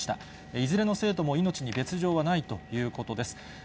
いずれの生徒も命に別状はないということです。